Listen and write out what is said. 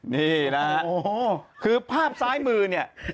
นี่นะฮะคือภาพซ้ายมือเนี่ย